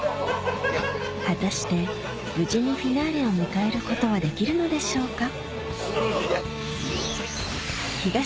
果たして無事にフィナーレを迎えることはできるのでしょうか？